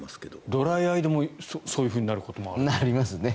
ドライアイでもそういうふうになることもあるんですね。